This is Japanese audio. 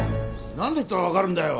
何度言ったらわかるんだよ！